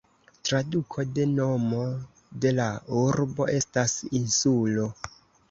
Traduko de nomo de la urbo estas "insulo".